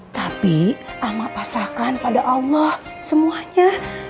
tapi amang pasrakan pada allah semuanya